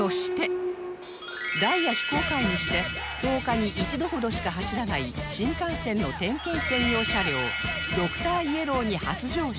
ダイヤ非公開にして１０日に一度ほどしか走らない新幹線の点検専用車両ドクターイエローに初乗車！